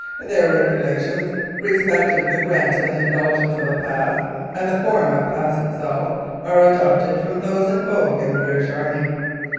Their regulations respect ing the grant of an indulgence of a pass, and the form of pass itself, are adopted from those in vogue in the British Army.